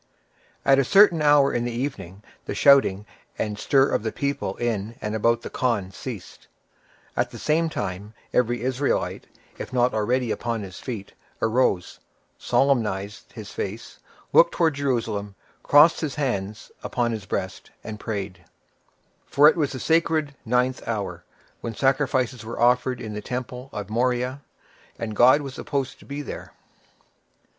At a certain hour in the evening the shouting and stir of the people in and about the khan ceased; at the same time, every Israelite, if not already upon his feet, arose, solemnized his face, looked towards Jerusalem, crossed his hands upon his breast, and prayed; for it was the sacred ninth hour, when sacrifices were offered in the temple on Moriah, and God was supposed to be there.